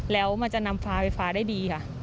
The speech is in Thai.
แล้วมันจะนำฟ้าไฟฟ้าได้ดีค่ะ